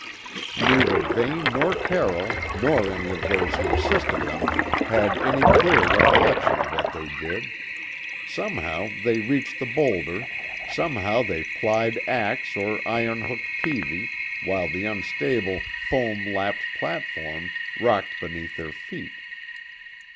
Neither Vane nor Carroll, nor any of those who assisted them, had any clear recollection of what they did. Somehow they reached the boulder; somehow they plied axe or iron hooked peevie, while the unstable, foam lapped platform rocked beneath their feet.